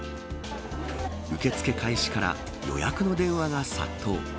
受け付け開始から予約の電話が殺到。